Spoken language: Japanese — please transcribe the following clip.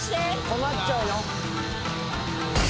困っちゃうよ